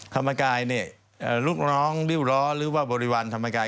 ธรรมกายเนี่ยลูกน้องริ้วร้อนหรือว่าบริวารธรรมกาย